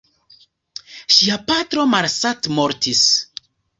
Ŝia patro malsatmortis.